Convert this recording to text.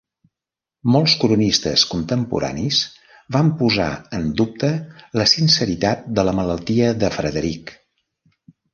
Molt cronistes contemporanis van posar en dubte la sinceritat de la malaltia de Frederic.